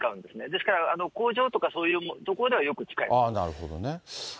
ですから工場とかそういう所ではなるほどね。